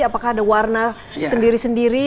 apakah ada warna sendiri sendiri